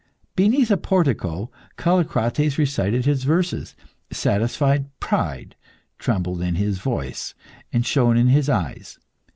Beneath a portico, Callicrates recited his verses; satisfied pride trembled in his voice and shone in his eyes.